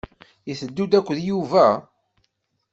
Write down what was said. I tedduḍ akked Yuba?